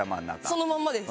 そのまんまです。